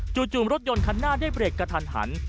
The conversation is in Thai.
จู่ดจูบรถยนท์ขันหน้าได้เบรกกะทัน